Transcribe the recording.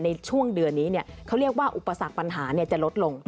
ในช่วงเดือนนี้เขาเรียกว่าอุปสรรคปัญหาจะลดลง